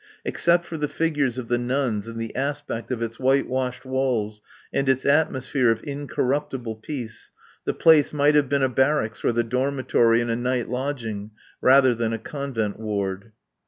Except for the figures of the nuns and the aspect of its white washed walls and its atmosphere of incorruptible peace, the place might have been a barracks or the dormitory in a night lodging, rather than a convent ward.